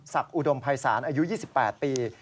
ศักดิ์อุดมภายศาลอายุ๒๘ปี